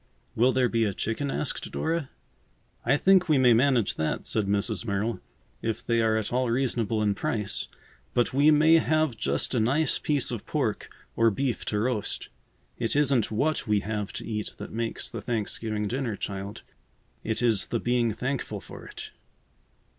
"Will there be a chicken?" asked Dora. "I think we may manage that," said Mrs. Merrill, "if they are at all reasonable in price, but we may have just a nice piece of pork or beef to roast. It isn't what we have to eat that makes the Thanksgiving dinner, child. It is the being thankful for it."